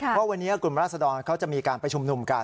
เพราะวันนี้กลุ่มราศดรเขาจะมีการประชุมกัน